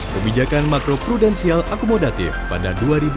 kebijakan makro prudensial akomodatif pada dua ribu dua puluh